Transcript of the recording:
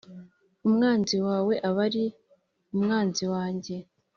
Umwanzi wawe aba ari umwanzi wanjye